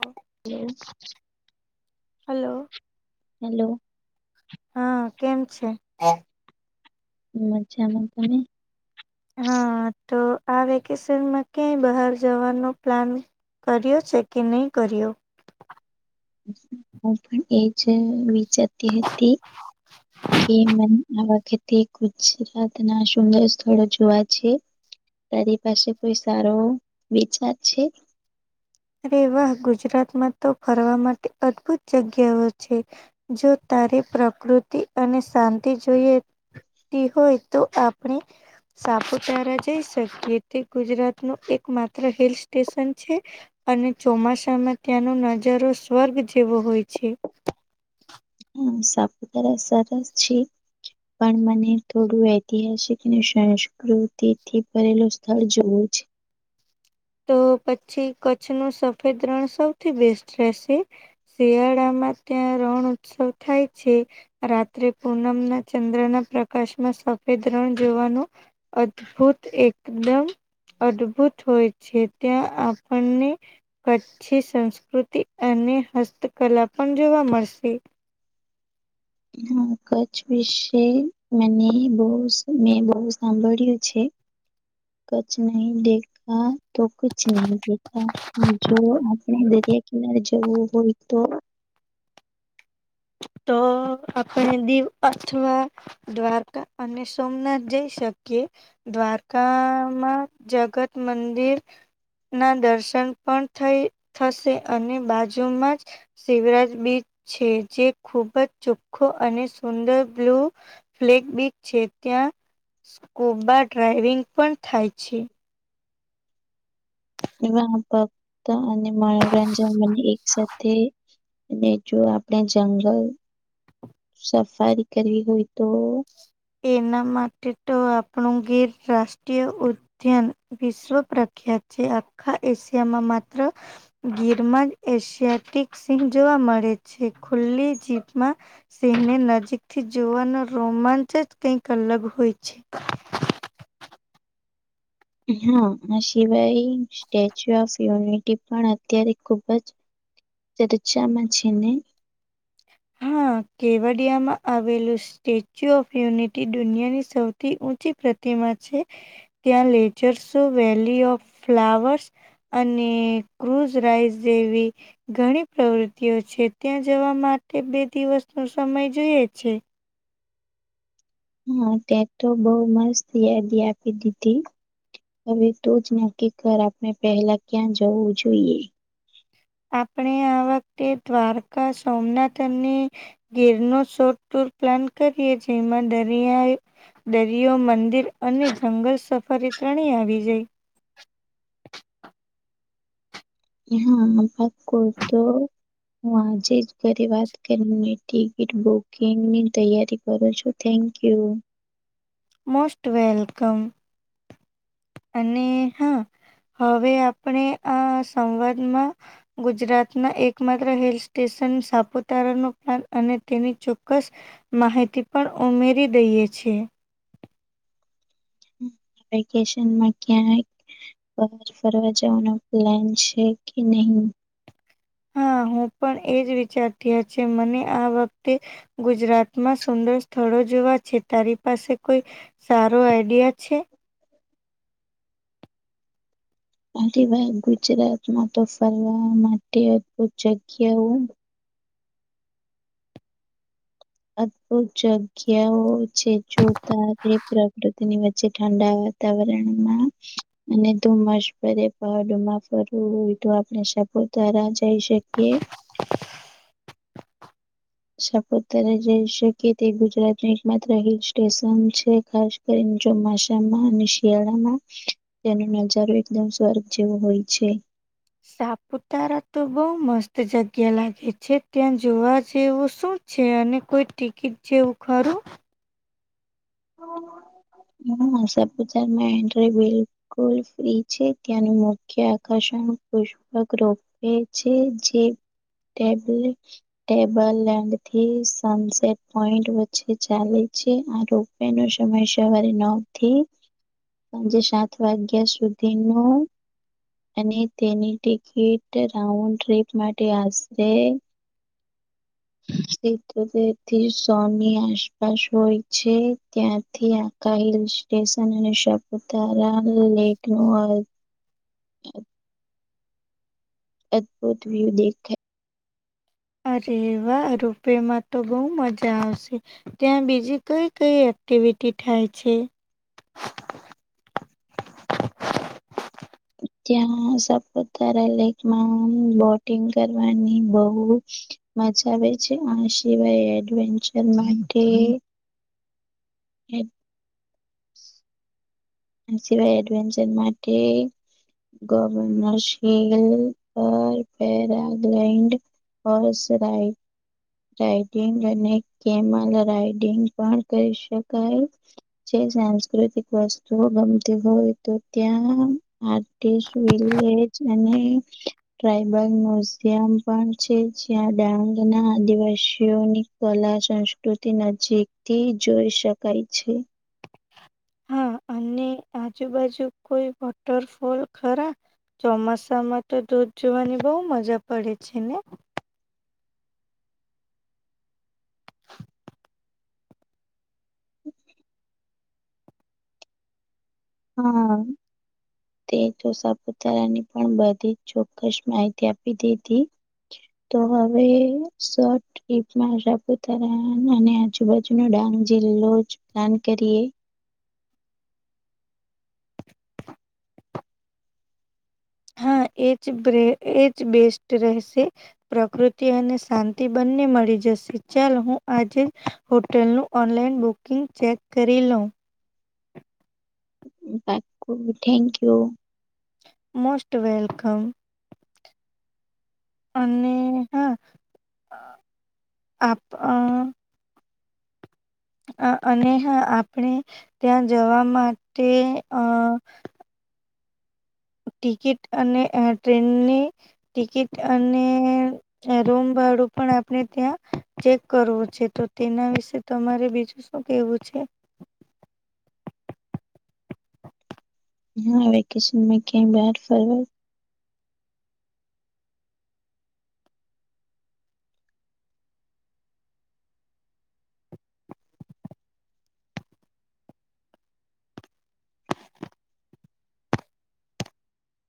હમ. એમ. Hello. Hello. હા કેમ છે. હ મજજા એમાં તમે. હા તો આ વેકેશનમાં ક્યાંય બહાર જવાનું પ્લાન. કર્યો છેેકી નહીં કર્યો. હું પણ એજ વિચારતી હતી. [inaudible] કે મ આ વખતે ગુજરાત ના સુંદર સ્થળો જોવા છે. તારી પાસે કોઈ સારો વિચાર છે. અરે વાહ ગુજરાતમાં તો ફરવા માટે અદભુત જગ્યાઓ છે. જો તારી પ્રકૃતિ અને શાંતિ જોઈએ. તેહો એ તો આપણે. સાપુતારા જઈ શકીએ તે ગુજરાત નું એક માત્ર હિલ સ્ટેશન છે. અને ચોમાસામાં ત્યાંનો નજારો સ્વર્ગ જેવો હોય છે. હમ સાપતાર સારી. પણ મને થોડું ઐતિહાસિક અને સંસ્કૃતિથી ભરેલું સ્થળ જોવું છે તો પછી કચ્છ નું સફેદ રણ સૌથી બેસ્ટ છે શિયાળામાં ત્યાં રણ ઉત્સવ થાય છે. રાત્રે પૂનમના ચંદ્રના પ્રકાશમાં સફેદ રણ જોવાનું. અદભુત એકદમ અદભુત હોય. છે ત્યાં આપણને. કચ્છી સંસ્કૃતિ અને હસ્તકલા પણ જોવા મળશે. હા કચ્છ વિશે મને બ મેં બહુ સાંભળ્યું છે. [inaudible] કછ નહી દેખા તો કુછ નહી દેખા. જો આપણે દરિયા કિનારે જવું હોય તો તો આપણે દીવ અથમાં. દ્વારકા અને સોમનાથ જઈ શકીએ. દ્વારકામાં જગત મંદિર. ના દર્શન પણ થઈ થશે અને બાજુમાં જ શિવરાજ બીચ છે જે ખૂબ જ ચોખ્ખો અને સુંદર બ્લુ ફ્લેગ બીચ છે ત્યાં સ્કૂબા ડ્રાાઈવિંગ પણ થાય છે. એવા ફક્ત અને મનોરંજન મને એક સાથે. અને જો આપણે જંગલ સફારી કરવી હોય તો એના માટે તો આપણું ગેર રાષ્ટ્રીય વિશ્વ પ્રખ્યાત છે આખા એશિયામાં માત્ર ગીરમાં જ એશિયાટિક સિંહ જોવા મળે છે ખુલ્લી જીપમાં. સિંહને નજીક થી જોવાનો રોમાંચ જ કઈક અલગ હોય છે. હા આ સિવાય સ્ટેચ્યુ ઓફ યુનિટી પણ અત્યારે ખુબ જ તર ચમા છેની હા કેવડિયામાં આવેલું છે. સ્ટેચ્યુ ઓફ યુનિટી દુનિયાની સૌથી ઊંચી પ્રતિમા છે. ત્યાં લેજર્સો વેલી ઓફ ફ્લાવર્સ. અને ક્રુઝ રાઈસ જેવી ઘણી પ્રવૃતિઓ છે, ત્યાં જવા માટે બે દિવસ નો સમય જોઈ છે. હા ત્યાક તો બઉ મસ્ત યાદી આપી દીધી. હવે તો જ નક્કી કર આપણે પહેલા ક્યાં જવું જોઈએ. આપણે આ વખતે દ્વારકા, સોમનાથની અને ગીર ન શોટ ટુર પ્લાન કરીએ જેમાં દરિયાએ. દરિયો મંદિર અને જંગલ સફરે ત્રણેય આવી જાય. હા બાકો તો. હું આજે જ ઘરે વાત કરીને ટિકિટ બુકિંગની તૈયારી કરું છું. થેન્કયુ. મોસ્ટ વેલકમ અને હા. હવે આપણે આ સંવાદમાં. ગુજરાતના એકમાત્ર હિલ સ્ટેશન સાપુતારા ન પ્લાન અને તેની ચોક્કસ. માહિતી પણ ઉમેરી દઈએ છીએ. વેકેેશનમાં ક્યાં ફરવા જવાનો પ્લાન છે કે નહી? હા હું પણ એજ વિચારતી છે મને આ વખતે ગુજરાતમાં સુંદર સ્થળો જોવા છે તારી પાસે કોઈ સારો આઈડિયા છે. હ વાત ગુજરાતમાં તો ફરવા માટે જગ્યાઓ. અદભુત જગ્યાઓ છે જોતા પ્રકૃતિની વચ્ચે ઠંડ તવરણમાં. અને તો મસ ભરે પહાડમાં ફરવું હોય તો આપણેપ દ્વારા જઈ શકીએ. સાપોતરે જઈ શકી તે ગુજરાતની એક માત્ર હિલ સ્ટેશન છે ખાસ ચોમાસામાં અને શિયાળમાં તેનો નજારો એકદમ સ્વર્ગ જેવો હોય છે. સાપુતારા તો બઉુ મસ્ત જગ્યા લાગે છે ત્યાં જોવા જેવું શું છે અને કોઈ ટિકિટ જેવું ખરું હ સપતાર એન્ટ્રી બી ફ્રી છે ત્યાંનું મુખ્ય આકર્ષણ પુ રોપે છે જે ટેબલ લેન્ડ થી સનસેટ પોઈન્ટ વચ્ચે ચાલે છે. એનો સમય સવારે નવ થી. સાંજે સાત વાગ્યા સુધી નો. અને તેની ટિકિટ રાઉન્ડ ટ્રીપ માટે આવશે. સીધુદવ થી સોની આસપાસ હોય છે ત્યાંથી હિલ સ્ટેશન અને શપુતારા લેક ન અદ્ભુત વિવ દખે. અરે વા રૂપેમાં તો બહુ મજા આવશે. ત્યાં બીજી કઈ કઈ એક્ટિવિટી થાય છે. ત્યાં સાપતારા લેકમાં બોટિંગ કરવાની બઉ. મજા આવે છે આ સિવાય એડવેન્ચર માટે. એ. [inaudible] આ સિવાય એડવેન્ચર માટે ગવર્નરશીલ પર પેરાગલેન્ડ બસ રાઈ રાઈડિંગ અને કેમલ રાઈડિંગ પણ કરી શકાય. જે સાંસ્કૃતિક વસ્ જો ગમતી હોય તો ત્યાં આટી વિલેજ અને ટ્રાઈબલ મ્યુઝિયમ પણ છે જ્યાં ડાંગ ના આદિવાસીઓની કલા સંસ્કૃતિ નજીકથી જોઈ શકાય છે. હા અને આજુબાજુ કોઈ વોટરફોલ ખરા ચોમાસામાં તો દોધ જોવાની બહુ મજા પડે છે ને. હા. તે તો સાપુતારાની પણ બધી જ ચોક્કસ માહિતી આપી દીધી. તો હવે શ. ટિ્પમાં સાપુતારા અને આજુબાજુનો ડાંગ જિલ્લો જ પ્લાન કરીએ હા એજ બે એજ બેસ્ટ રહેશે. પ્રકૃતિ અને શાંતિ બંને મળી જશે ચાલ હું આજે હોટલનું ઓનલાઈન બુકિંગ ચેક કરી લઉ. બાકુ થેન્ક યુ. Most welcome. અને હા આપ અ. અ અને હ આપણે ત્યાં જવા માટે અ. ટિકિટ અને અ ટ્રેનની ટિકિટ અને. એ રૂમ ભાડું પણ આપણે ત્યાં ચેક કરવું છે તો તેના વિશે તમારે બીજું શું કેવું છે. હા વેકેશન માં ક્યા બાર ફરવા